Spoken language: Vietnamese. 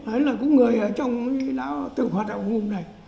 ấy là cũng người ở trong tường hoạt động hùng này